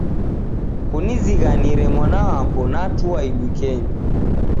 Kunizighanire mwana wapo, natua idukenyi.